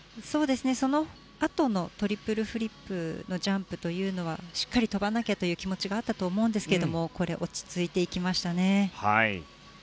そのあとのトリプルフリップはしっかり跳ばなきゃという気持ちがあったと思いますが落ち着いていきましたね。